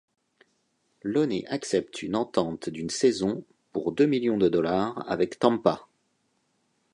Loney accepte une entente d'une saison pour deux millions de dollars avec Tampa.